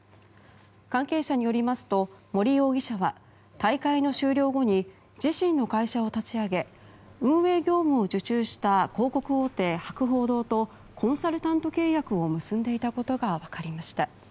関係者によりますと、森容疑者は大会の終了後に自身の会社を立ち上げ運営業務を受注した広告大手、博報堂とコンサルタント契約を結んでいたことが分かりました。